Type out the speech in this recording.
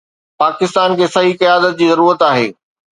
پاڪستان کي صحيح قيادت جي ضرورت آهي.